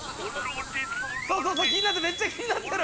そうそうそうめっちゃ気になってる。